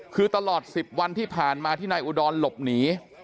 คือตลอด๑๐วันที่ผ่านมาที่นายอุดรหลบหนี